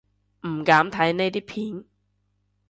唔敢睇呢啲片